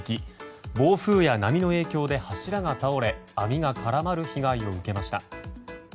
暴風や波の影響で柱が倒れ網が絡まる被害を受けました。